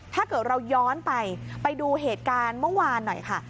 ถ้าเกิดเราย้อนไปไปดูเหตุการณ์เมื่อวานหน่อยค่ะ